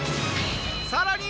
さらに。